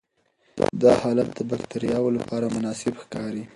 دا حالت د باکټریاوو لپاره مناسب ښکاري.